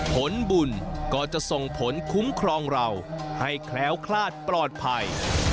ผลบุญก็จะส่งผลคุ้มครองเราให้แคล้วคลาดปลอดภัย